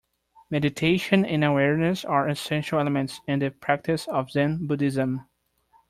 Meditation and awareness are essential elements in the practice of Zen Buddhism